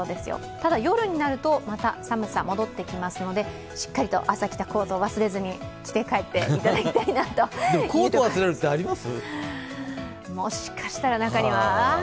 ただ夜になると、また寒さ、戻ってきますので、しっかりと朝着たコートを忘れずに着て、帰っていただきたいなと思います。